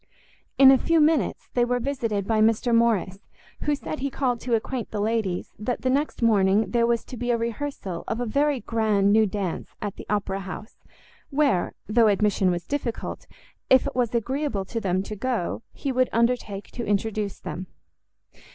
In a few minutes they were visited by Mr Morrice, who said he called to acquaint the ladies that the next morning there was to be a rehearsal of a very grand new dance at the Opera House, where, though admission was difficult, if it was agreeable to them to go, he would undertake to introduce them.